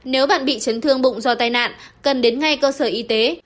nếu bạn bị chấn thương bụng do tai nạn cần đến ngay cơ sở y tế